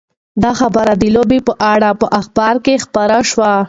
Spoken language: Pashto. دا خبر د لوبې په اړه په اخبار کې خپور شو.